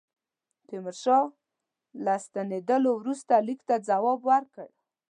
تیمورشاه له ستنېدلو وروسته لیک ته جواب ورکړ.